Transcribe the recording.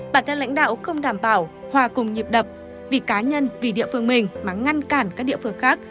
bản thân lãnh đạo không đảm bảo hòa cùng nhịp đập vì cá nhân vì địa phương mình mà ngăn cản các địa phương khác